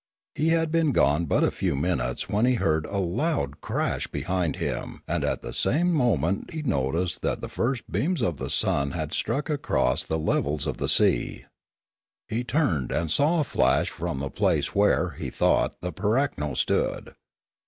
He had been gone but a few minutes when he heard a loud crash behind him, and at the same moment he noticed that the first beams of the sun had struck across the levels of the sea. He turned and saw a flash from the place where, he thought, the pirakuo stood.